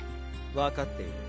わかっている。